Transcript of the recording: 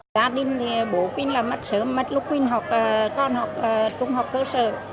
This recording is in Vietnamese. gia đình thì bố quynh là mất sớm mất lúc quynh học con học trung học cơ sở